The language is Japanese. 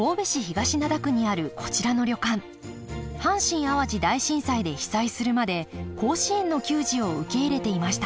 阪神・淡路大震災で被災するまで甲子園の球児を受け入れていました。